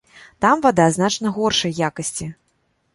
Там вада значна горшай якасці.